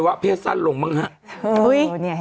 เห็นมั้ย